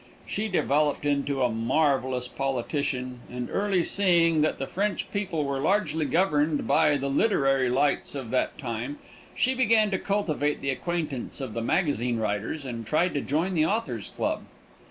She developed into a marvelous politician, and early seeing that the French people were largely governed by the literary lights of that time, she began to cultivate the acquaintance of the magazine writers, and tried to join the Authors' Club.